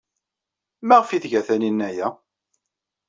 Maɣef ay tga Taninna aya?